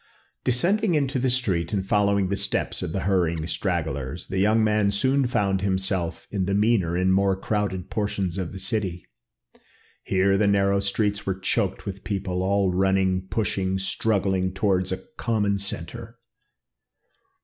Descending into the street and following the steps of the hurrying stragglers, the young man soon found himself in the meaner and more crowded portions of the city. Here the narrow streets were choked with people, all running, pushing, struggling towards a common centre.